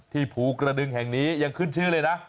ภูกระดึงแห่งนี้ยังขึ้นชื่อเลยนะ